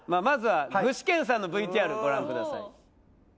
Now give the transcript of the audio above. まずは具志堅さんのＶＴＲご覧ください